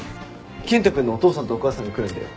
健人君のお父さんとお母さんが来るんだよ。